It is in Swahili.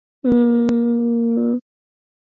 aa hapa idhaa ya kiswahili ya redio france international